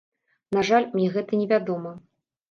На жаль, мне гэта не вядома.